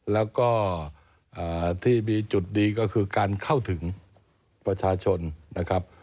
แล้วก็ที่มีจุดดีก็คือการเข้าถึงประชาชนนะครับ